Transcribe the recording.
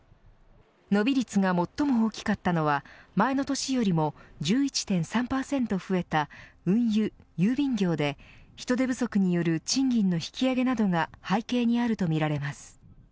伸び率が最も大きかったのは前の年よりも１１．３％増えた運輸・郵便業で人手不足による賃金の引き上げなどが背景にあるとみられます。